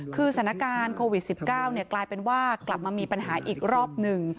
คือสถานการณ์โควิด๑๙กลายเป็นว่ากลับมามีปัญหาอีกรอบหนึ่ง